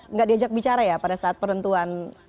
nggak diajak bicara ya pada saat penentuan